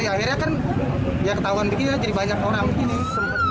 akhirnya kan ketahuan begini jadi banyak orang